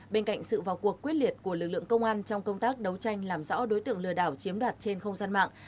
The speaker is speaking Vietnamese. bên cạnh sự vào cuộc quyết liệt của lực lượng công an trong công tác đấu tranh làm rõ đối tượng lừa đảo chiếm đoạt trên không gian mạng